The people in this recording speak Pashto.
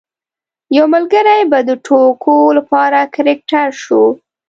یو ملګری به د ټوکو لپاره کرکټر شو.